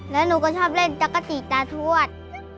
แล้วหนูก็ชอบเล่นจักรติตาทวด